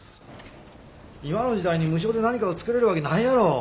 今の時代に無償で何かをつくれるわけないやろ！